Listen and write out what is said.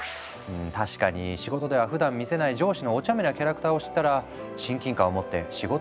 確かに仕事ではふだん見せない上司のおちゃめなキャラクターを知ったら親近感を持って仕事の相談もしやすくなるのかな？